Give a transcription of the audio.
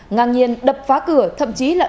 ngàng nhiên đập phá cửa thậm chí là